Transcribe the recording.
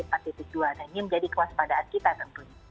dan ini menjadi kewaspadaan kita tentunya